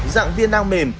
dạng viên nang mềm